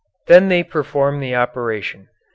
Then they perform the operation."